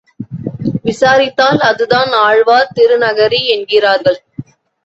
விசாரித்தால் அதுதான் ஆழ்வார் திருநகரி என்கிறார்கள்.